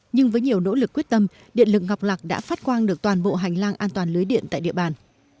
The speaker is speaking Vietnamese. nhưng với nhiều nỗ lực quyết tâm điện lực ngọc lạc đã phát quang được toàn bộ hành lang an toàn lưới điện tại địa bàn